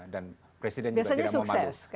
dan presiden juga tidak mau malu